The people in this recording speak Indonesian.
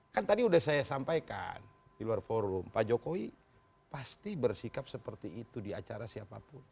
kan tadi sudah saya sampaikan di luar forum pak jokowi pasti bersikap seperti itu di acara siapapun